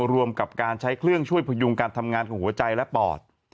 รวมกับการใช้เครื่องช่วยพยุงการทำงานของหัวใจและปอด